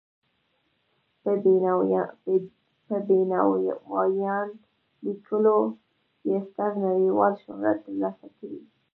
په بینوایان لیکلو یې ستر نړیوال شهرت تر لاسه کړی.